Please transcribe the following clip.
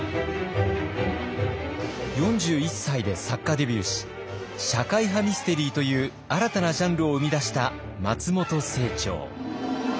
４１歳で作家デビューし社会派ミステリーという新たなジャンルを生み出した松本清張。